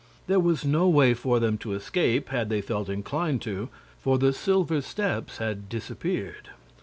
There was no way for them to escape, had they felt inclined to, for the silver steps had disappeared.